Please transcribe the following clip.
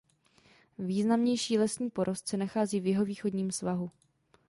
Významnější lesní porost se nachází v jihovýchodním svahu.